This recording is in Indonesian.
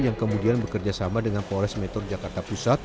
yang kemudian bekerjasama dengan pores metro jakarta pusat